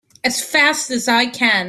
As fast as I can!